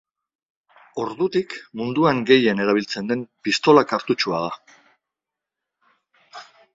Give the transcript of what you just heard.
Ordutik, munduan gehien erabiltzen den pistola-kartutxoa da.